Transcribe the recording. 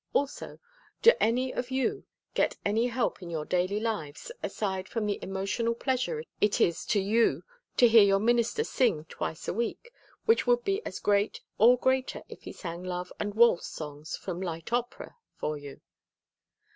Also, do any of you get any help in your daily lives, aside from the emotional pleasure it is to you to hear your minister sing twice a week, which would be as great or greater if he sang love and waltz songs from light opera for you?"